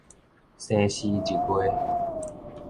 生時日月